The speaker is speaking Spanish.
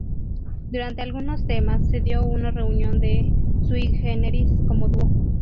Durante algunos temas, se dio una reunión de Sui Generis como dúo.